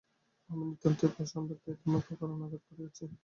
আমি নিতান্ত পাষণ্ড, তাই তোমাকে অকারণে আঘাত করিয়াছি।